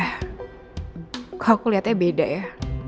kok aku liatnya beda ya